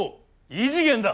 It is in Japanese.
異次元だ。